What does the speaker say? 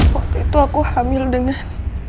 waktu itu aku hamil dengan